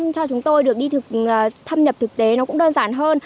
cho chúng tôi được đi thâm nhập thực tế nó cũng đơn giản hơn